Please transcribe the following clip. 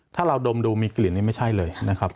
ถ้าเราดมดูมีกลิ่นนี่ไม่ใช่เลยนะครับ